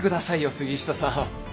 杉下さん。